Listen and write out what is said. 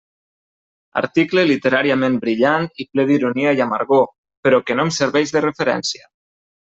Article literàriament brillant i ple d'ironia i amargor, però que no em serveix de referència.